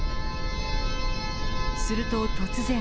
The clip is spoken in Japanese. すると、突然。